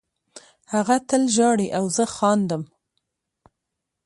هغه تل ژاړي او زه خاندم